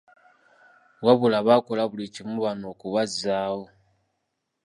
Wabula bakola buli kimu bano okubazzaawo.